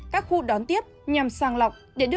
các khu đón tiếp nhằm sàng lọc